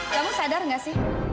kamu sadar gak sih